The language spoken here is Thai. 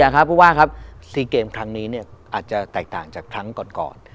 เพราะว่าครับ๔เกมครั้งนี้อาจจะแตกต่างจากครั้งก่อน